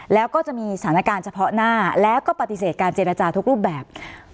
แล้วก็จะมีสถานการณ์เฉพาะหน้าแล้วก็ปฏิเสธการเจรจาทุกรูปแบบ